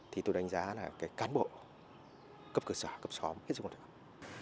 thì tôi đánh giá là cái cán bộ cấp cơ sở cấp xóm hết sức quan trọng